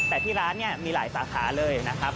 แต่ที่ร้านเนี่ยมีหลายสาขาเลยนะครับ